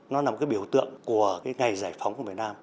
nó là một cái biểu tượng của cái ngày giải phóng của việt nam